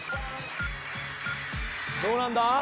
どうなんだ？